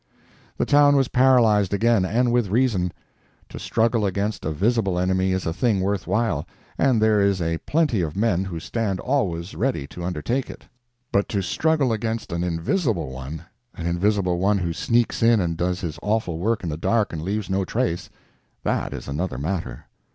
The town was paralyzed again, and with reason. To struggle against a visible enemy is a thing worth while, and there is a plenty of men who stand always ready to undertake it; but to struggle against an invisible one—an invisible one who sneaks in and does his awful work in the dark and leaves no trace—that is another matter.